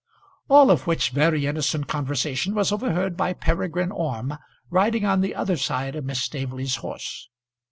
All of which very innocent conversation was overheard by Peregrine Orme, riding on the other side of Miss Staveley's horse.